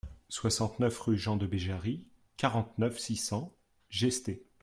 soixante-neuf rue Jean de Béjarry, quarante-neuf, six cents, Gesté